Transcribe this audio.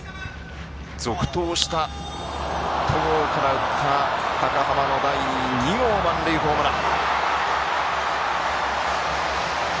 続投した、戸郷から打った高濱の第２号満塁ホームラン。